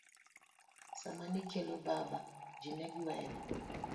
Sama nikelo baba ji ne gweyo.